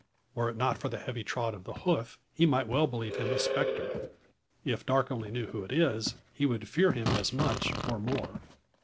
Were it not for the heavy tread of the hoof he might well believe him a spectre. If Darke only knew who it is, he would fear him as much, or more.